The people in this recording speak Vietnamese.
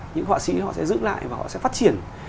những họa sĩ họ sẽ giữ lại và họ sẽ phát triển